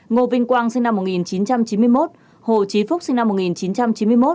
ngô vinh quang sinh năm một nghìn chín trăm chín mươi một hồ trí phúc sinh năm một nghìn chín trăm chín mươi một